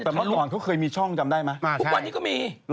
แต่เมื่อก่อนเขาเคยมีช่องจำได้ไหม